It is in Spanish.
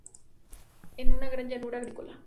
Es una gran llanura agrícola.